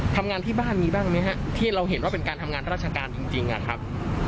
ทำงานที่บ้านมีบ้างไหมฮะที่เราเห็นว่าเป็นการทำงานราชการจริงนะครับ